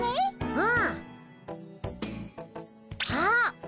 うん。あっ！